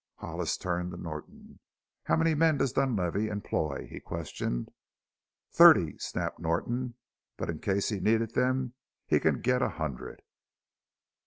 Hollis turned to Norton. "How many men does Dunlavey employ?" he questioned. "Thirty," snapped Norton. "But in case he needed them he c'n get a hundred."